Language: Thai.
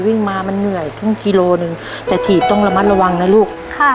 วิ่งมามันเหนื่อยครึ่งกิโลหนึ่งแต่ถีบต้องระมัดระวังนะลูกค่ะ